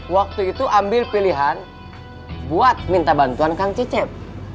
waktu itu ambil pilihan buat minta bantuan kang cecep